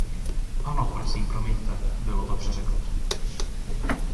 Ano, prosím promiňte, bylo to přeřeknutí.